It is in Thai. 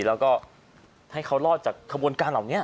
แล้วก็ให้เขารอดจากขบวนการเหล่านี้